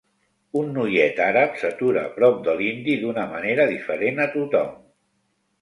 Un noiet àrab s'atura prop de l'indi d'una manera diferent a tothom.